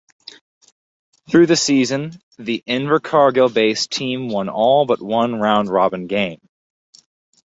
Through the season, the Invercargill based team won all but one round robin game.